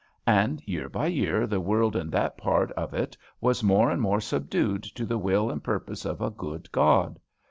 And year by year the world in that part of it was more and more subdued to the will and purpose of a good God.